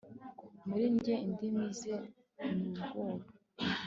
muri njye indimi ze n'ubwoba